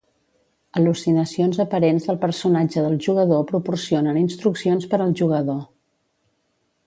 Al·lucinacions aparents del personatge del jugador proporcionen instruccions per al jugador.